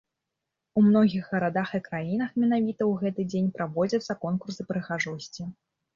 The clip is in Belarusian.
У многіх гарадах і краінах менавіта ў гэты дзень праводзяцца конкурсы прыгажосці.